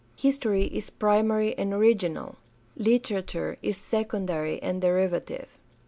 History is primary and original; literature is secondary and derivative.